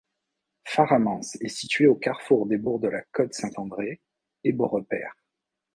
Faramans est situé au carrefour des bourgs de La Côte-Saint-André et Beaurepaire.